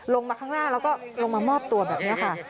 ลงมาข้างหน้าแล้วก็ลงมามอบตัวแบบนี้ค่ะ